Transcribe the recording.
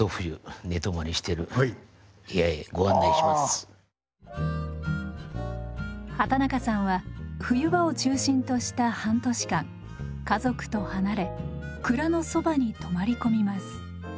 では畠中さんは冬場を中心とした半年間家族と離れ蔵のそばに泊まり込みます。